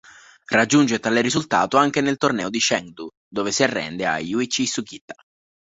Raggiunge tale risultato anche nel torneo di Chengdu, dove si arrende a Yūichi Sugita.